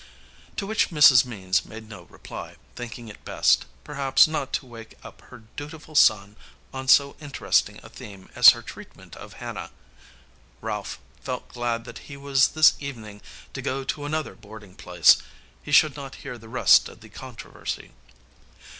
To which Mrs. Means made no reply, thinking it best, perhaps, not to wake up her dutiful son on so interesting a theme as her treatment of Hannah. Ralph felt glad that he was this evening to go to another boarding place. He should not hear the rest of the controversy.